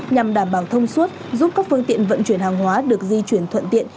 nhằm đảm bảo thông suốt giúp các phương tiện vận chuyển hàng hóa được di chuyển thuận tiện